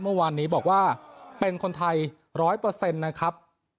เมื่อวานนี้บอกว่าเป็นคนไทยร้อยเปอร์เซ็นต์นะครับ